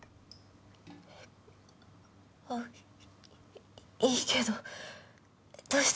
えっ？あっいいけどどうしたの？